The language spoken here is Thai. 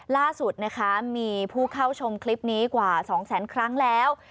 ล่าสุดนะคะมีผู้เข้าชมคลิปนี้กว่า๒แสนครั้งแล้ว